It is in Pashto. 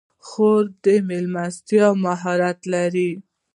خور د میلمستیا مهارت لري.